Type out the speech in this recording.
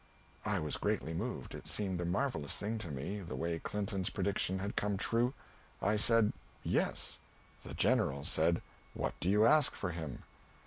I was greatly moved; it seemed a marvellous thing to me, the way Clinton's prediction had come true. I said, "Yes." The General said, "What do you ask for him?"